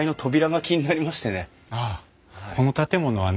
この建物はね